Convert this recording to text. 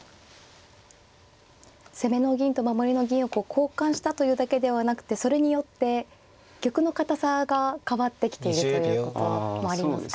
攻めの銀と守りの銀を交換したというだけではなくてそれによって玉の堅さが変わってきているということもありますか。